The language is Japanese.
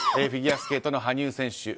フィギュアスケートの羽生選手